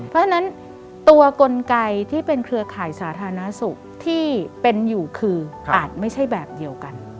เพราะฉะนั้นตัวกลไกที่เป็นเครือข่ายสาธารณสุขที่เป็นอยู่คืออาจไม่ใช่แบบเดียวกัน